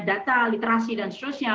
data literasi dan seterusnya